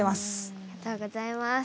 ありがとうございます。